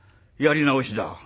やり直しだ。